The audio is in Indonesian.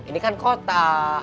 ini kan kota